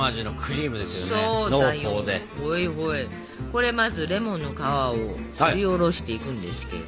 これまずレモンの皮をすりおろしていくんですけど。